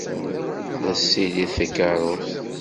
La tessirid takeṛṛust.